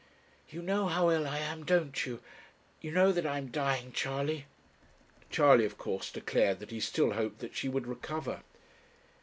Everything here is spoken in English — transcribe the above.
'You know how ill I am, don't you? You know that I am dying, Charley?' Charley of course declared that he still hoped that she would recover.